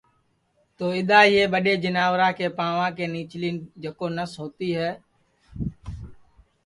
تو اِدؔا یہ ٻڈؔے جیناورا کے پاںؤا کے نیچلی جکو نس ہوتی ہے نہ